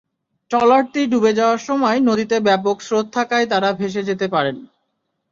ট্রলারটি ডুবে যাওয়ার সময় নদীতে ব্যাপক স্রোত থাকায় তাঁরা ভেসে যেতে পারেন।